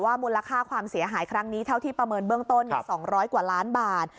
มูลค่าความเสียหายครั้งนี้เท่าที่ประเมินเบื้องต้น๒๐๐กว่าล้านบาท